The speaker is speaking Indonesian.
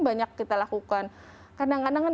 banyak kita lakukan kadang kadangan